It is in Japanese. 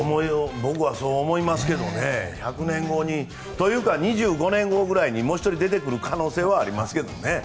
僕はそう思いますけどね。というか２５年後くらいにもう１人出てくる可能性はありますけどね。